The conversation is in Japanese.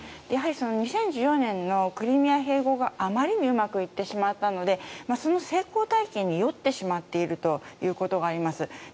やはり２０１４年のクリミア併合があまりにうまくいってしまったのでその成功体験に酔ってしまっているということがあります。